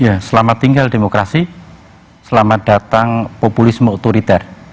ya selamat tinggal demokrasi selamat datang populisme otoriter